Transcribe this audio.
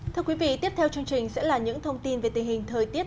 thưa quý vị tiếp theo chương trình sẽ là những thông tin về tình hình thời tiết